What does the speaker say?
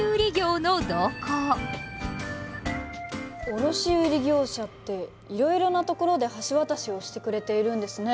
卸売業者っていろいろな所で橋渡しをしてくれているんですね。